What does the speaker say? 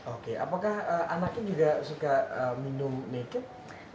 oke apakah anaknya juga suka minum naked